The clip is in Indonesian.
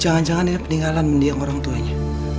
jangan jangan dia peninggalan mendiang orang tuanya